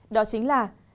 đó chính là